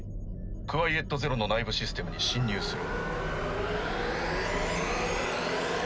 クワイエット・ゼロの内部システムに侵入する。